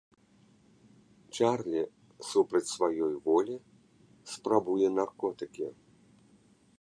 Чарлі супраць сваёй волі спрабуе наркотыкі.